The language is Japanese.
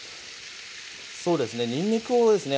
そうですねにんにくをですね